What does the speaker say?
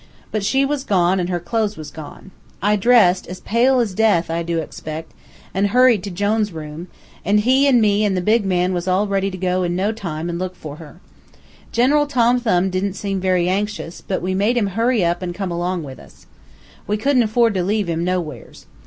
But she was gone, an' her clothes was gone. I dressed, as pale as death, I do expect, an' hurried to Jone's room, an' he an' me an' the big man was all ready in no time to go an' look for her. General Tom Thumb didn't seem very anxious, but we made him hurry up an' come along with us. We couldn't afford to leave him nowheres.